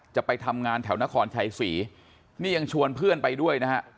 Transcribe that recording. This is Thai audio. จะไปทำงานแถวนครชัยศรีนี่ยังชวนเพื่อนไปด้วยนะฮะ